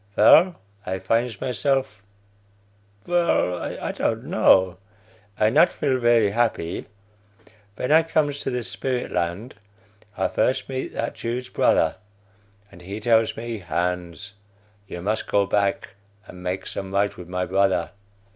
Vell, I finds myself vell, I don't know; I not feel very happy. Ven I comes to the spirit land, I first meet that Jew's brother, and he tells me, 'Hans, you mus go back and makes some right with my brother.'